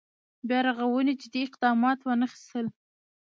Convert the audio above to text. بیا رغونې جدي اقدامات وانخېستل.